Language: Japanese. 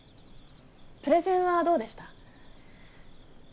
プレゼンはどうでした？